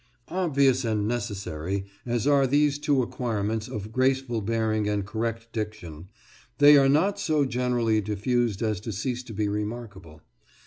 Obvious and necessary as are these two acquirements of graceful bearing and correct diction, they are not so generally diffused as to cease to be remarkable.